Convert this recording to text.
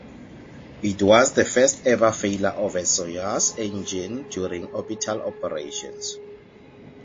It was the first-ever failure of a Soyuz engine during orbital operations.